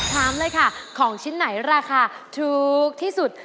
ถามเลยค่ะของชิ้นไหนราคาถูกที่สุด